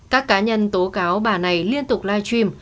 các cá nhân tố cáo bà này liên tục live stream